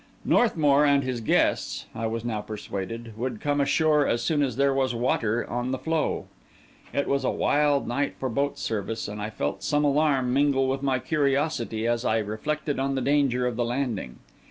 Northmour and his guests, I was now persuaded, would come ashore as soon as there was water on the floe. It was a wild night for boat service; and I felt some alarm mingle with my curiosity as I reflected on the danger of the landing.